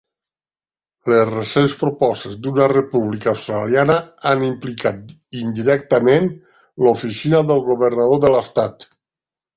Les recents propostes d'una República Australiana han implicat indirectament l'oficina del governador de l'estat.